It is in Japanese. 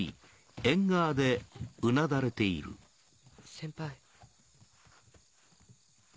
先輩。